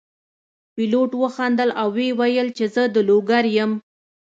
پیلوټ وخندل او وویل چې زه د لوګر یم.